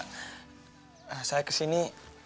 maaf mak saya kesini